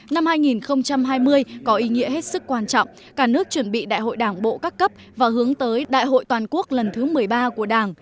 năm hai nghìn hai mươi có ý nghĩa hết sức quan trọng cả nước chuẩn bị đại hội đảng bộ các cấp và hướng tới đại hội toàn quốc lần thứ một mươi ba của đảng